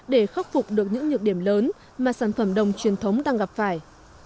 để khắc phục được những nhược điểm lớn mà sản phẩm đồng truyền thống đang gặp phải